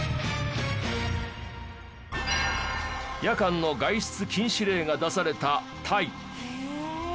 夜間の外出禁止令が出されたタイ。